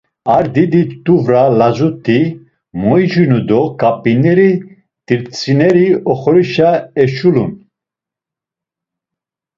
Ar didi t̆uvra lazut̆i moicinu do ǩap̌ineri t̆ritzineri oxorişa eşulun.